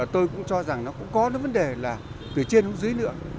tôi cũng cho rằng nó cũng có những vấn đề là từ trên xuống dưới nữa